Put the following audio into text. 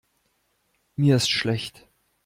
Mir ist schlecht.